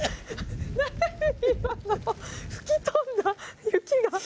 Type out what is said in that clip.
何今の⁉吹き飛んだ雪が。